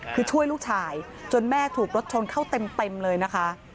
คือช่วยลูกชายจนแม่ถูกรถชนเข้าเต็มเลยนะคะ